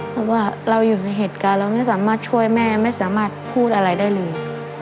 เพราะว่าเราอยู่ในเหตุการณ์เราไม่สามารถช่วยแม่ไม่สามารถพูดอะไรได้เลย